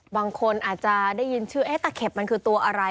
บางคนอาจจะได้ยินชื่อตะเข็บมันคือตัวอะไร